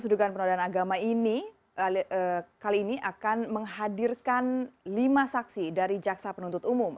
dugaan penodaan agama ini kali ini akan menghadirkan lima saksi dari jaksa penuntut umum